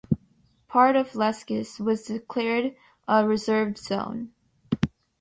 Part of Illescas was declared a reserved zone.